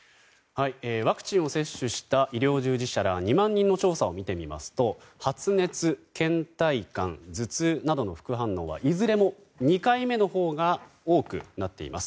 ワクチンを接種した医療従事者ら２万人の調査を見てみますと発熱、倦怠感、頭痛などの副反応はいずれも２回目のほうが多くなっています。